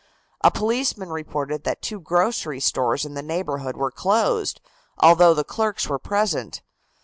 A policeman reported that two grocery stores in the neighborhood were closed, although the clerks were present.